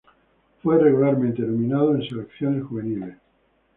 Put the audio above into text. Fue regularmente nominado en selecciones juveniles.